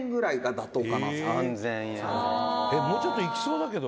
伊達：もうちょっといきそうだけど。